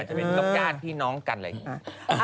จะเป็นญาติพี่น้องกันอะไรอย่างนี้